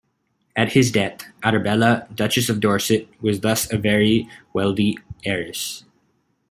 At his death, Arabella, Duchess of Dorset was thus a very wealthy heiress.